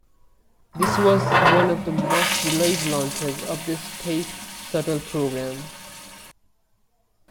This was one of the most delayed launches of the space shuttle program.